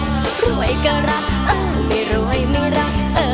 สับปะรดรวยก็รักไม่รวยไม่รัก